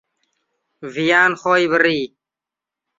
ڤیان خۆی بڕی.